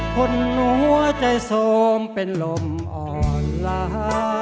คนหัวใจโสมเป็นลมอ่อนล้า